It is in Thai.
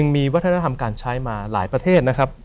มีวัฒนธรรมการใช้มาหลายประเทศนะครับ